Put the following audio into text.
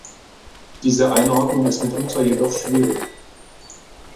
Diese Einordnung ist mitunter jedoch schwierig.